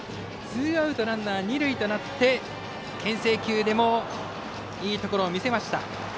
ツーアウトランナー、二塁となってけん制球でもいいところを見せました。